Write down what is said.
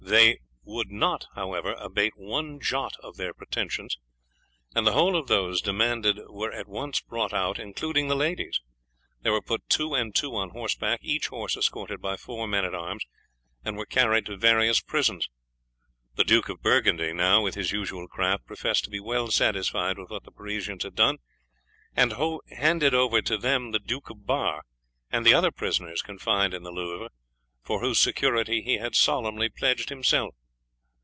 They would not, however, abate one jot of their pretensions, and the whole of those demanded were at once brought out, including the ladies. They were put two and two on horseback, each horse escorted by four men at arms, and were carried to various prisons. The Duke of Burgundy now, with his usual craft, professed to be well satisfied with what the Parisians had done, and handed over to them the Duke of Bar and the other prisoners confined in the Louvre, for whose security he had solemnly pledged himself.